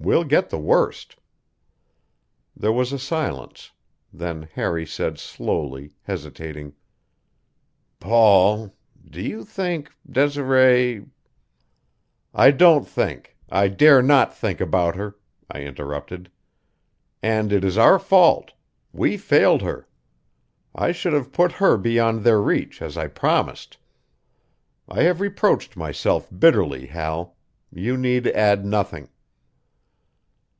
We'll get the worst." There was a silence; then Harry said slowly, hesitating: "Paul do you think Desiree " "I don't think I dare not think about her," I interrupted. "And it is our fault; we failed her. I should have put her beyond their reach, as I promised. I have reproached myself bitterly, Hal; you need add nothing."